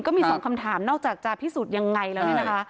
ก็มีสองคำถามนอกจากจะพิสูจน์ยังไงแล้วเนี่ยนะคะ